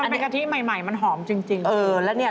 เป็นกะทิใหม่มันหอมจริง